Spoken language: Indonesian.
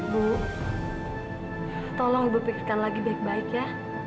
bu tolong ibu pikirkan lagi baik baik ya